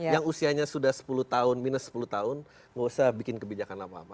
yang usianya sudah sepuluh tahun minus sepuluh tahun nggak usah bikin kebijakan apa apa